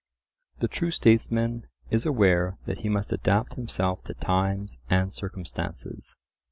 The true statesman is aware that he must adapt himself to times and circumstances.